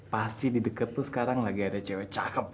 pasti di deket lo sekarang lagi ada cewek cakep